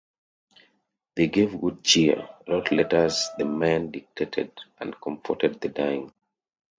They gave good cheer, wrote letters the men dictated, and comforted the dying.